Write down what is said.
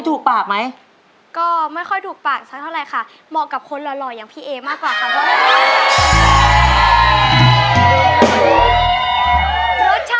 ถูกปากคันถูกคอกกลืนเลย